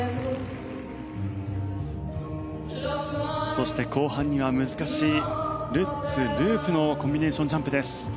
そして後半には難しいルッツ、ループのコンビネーションジャンプです。